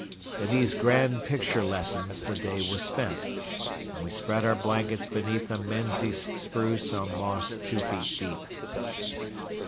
In these grand picture lessons the day was spent, and we spread our blankets beneath a Menzies spruce on moss two feet deep.